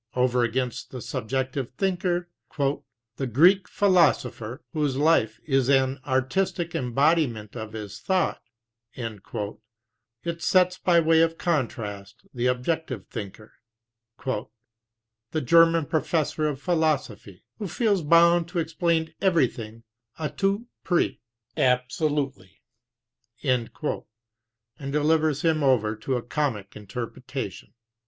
Over against the sub jective thinker, "the Greek philosopher, whose life is an artistic embodiment of his thought," it sets by way of contrast the objective thinker, "the German professor of philosophy, who feels bound to explain everything a tout prix," and delivers him over to a comic interpretation.